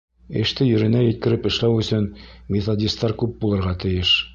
Эште еренә еткереп эшләү өсөн методистар күп булырға тейеш.